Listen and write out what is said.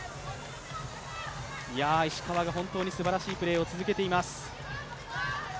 石川が本当にすばらしいプレーを続けています。